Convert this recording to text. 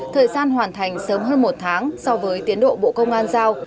thời gian hoàn thành sớm hơn một tháng so với tiến độ bộ công an giao